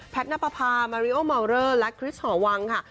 แพทน่าปะพามาริโอเมาเวอร์และคริสห่อวังค่ะ